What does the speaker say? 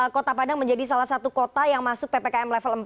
kota padang menjadi salah satu kota yang masuk ppkm level empat